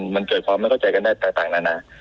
มันเกิดความไม่เข้าใจกันได้ต่างนานา